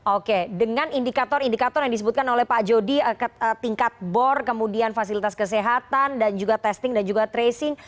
oke dengan indikator indikator yang disebutkan oleh pak jody tingkat bor kemudian fasilitas kesehatan dan juga testing dan juga tracing